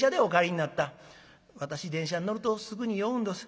「私電車に乗るとすぐに酔うんどす。